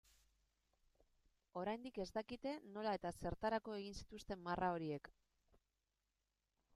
Oraindik ez dakite nola eta zertarako egin zituzten marra horiek.